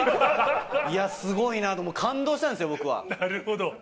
いや、すごいなと、感動したんでなるほど。